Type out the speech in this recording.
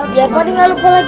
biar pade ga lupa lagi deh